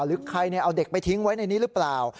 หรือใครเอาเด็กไปทิ้งไว้ในนี้หรือเปล่า